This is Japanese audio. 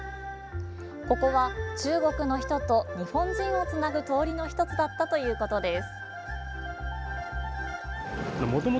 ここは中国の人と日本人をつなぐ通りの１つだったということです。